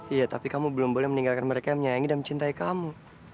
iya tapi kamu belum boleh meninggalkan mereka yang menyayangi dan mencintai kamu